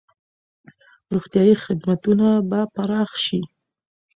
روغتیايي خدمتونه به پراخ شي.